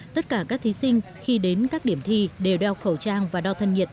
tất cả các thí sinh khi đến các điểm thi đều đeo khẩu trang và đo thân nhiệt